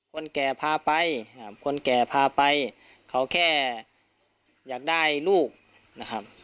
คนแก่พาไปเขาแค่อยากได้ลูกนะครับ